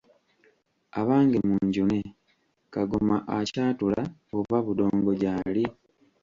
"Abange munjune, Kagoma akyatuula, oba budongo gyali?"